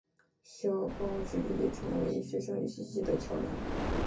校报致力成为学生与信息的桥梁。